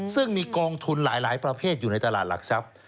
ซึ่งมีกองทุนหลายประเภทอยู่ในตลาดหลักทรัพย์